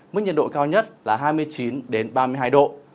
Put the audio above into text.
mức nhiệt độ cao nhất là hai mươi chín ba mươi hai độ